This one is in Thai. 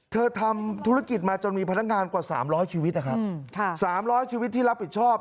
ทำธุรกิจมาจนมีพนักงานกว่า๓๐๐ชีวิตนะครับ๓๐๐ชีวิตที่รับผิดชอบ